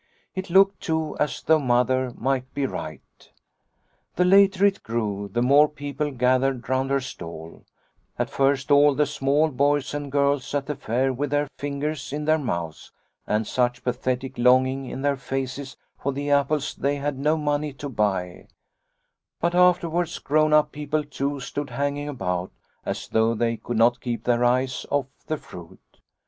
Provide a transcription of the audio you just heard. It looked, too, as though Mother might be right. The later it grew, the more people gathered round her stall, at first, all the small boys and girls at the fair with their fingers in their mouths and such pathetic longing in their faces for the apples they had no money to buy ; but after Snow White 7 5 wards grown up people too stood hanging about, as though they could not keep their eyes off the fruit.